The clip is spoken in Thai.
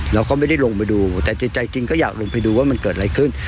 เราก็ไม่ได้ลงไปดูแต่จิตใจจริงก็อยากลงไปดูว่ามันเกิดอะไรขึ้น